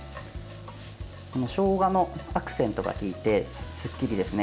しょうがのアクセントが利いてすっきりですね。